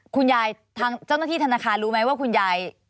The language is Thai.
ทางเจ้าหน้าที่ธนาคารรู้ไหมว่าคุณยาย